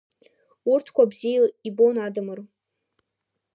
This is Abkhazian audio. Урҭқәа бзиа ибон Адамыр.